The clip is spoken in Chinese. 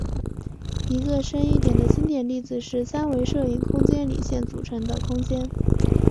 一个深一点的经典例子是三维射影空间里线组成的空间。